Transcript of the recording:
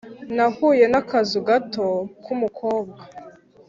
nahuye n'akazu gato k'umukobwa: